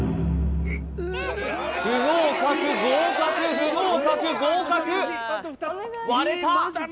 不合格合格不合格合格割れた！